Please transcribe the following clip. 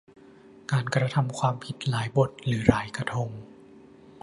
การกระทำความผิดหลายบทหรือหลายกระทง